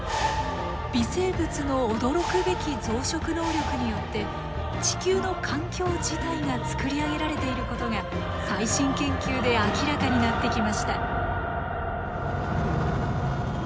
微生物の驚くべき増殖能力によって地球の環境自体が作り上げられていることが最新研究で明らかになってきました。